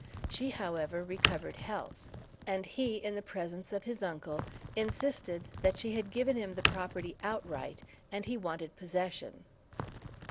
She, however, recovered health; and he in the presence of his uncle, insisted that she had given him the property outright, and he wanted possession.